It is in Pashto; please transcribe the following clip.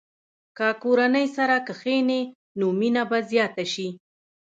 که کورنۍ سره کښېني، نو مینه به زیاته شي.